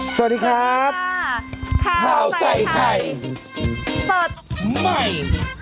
สวัสดีครับสวัสดีครับข้าวใส่ไข่สดใหม่